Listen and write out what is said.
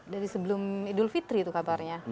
dari sebelum idul fitri itu kabarnya